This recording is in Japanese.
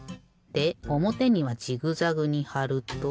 でおもてにはジグザグにはると。